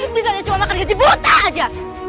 bisa nyacu sama kerja buta aja